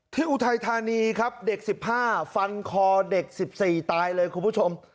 อุทัยธานีครับเด็ก๑๕ฟันคอเด็ก๑๔ตายเลยคุณผู้ชม